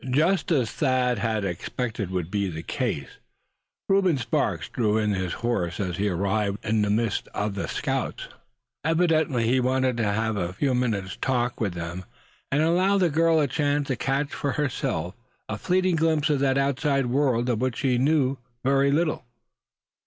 Just as Thad had expected would be the case, Reuben Sparks drew in his horse as he arrived in the midst of the scouts. Evidently he wanted to have a few minutes' talk with them; and allow the girl a chance to catch for herself a fleeting glimpse of that outside world of which she knew so little.